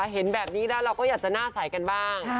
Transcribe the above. เห็นแบบนี้แล้วเราก็อยากจะหน้าใสกันบ้าง